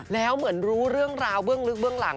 แล้วเหมือนรู้เรื่องราวเบื้องลึกเบื้องหลัง